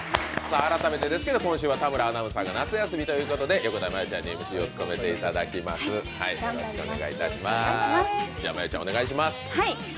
改めてですけど、今週は田村アナが夏休みということで横田真悠ちゃんにＭＣを務めていただきます。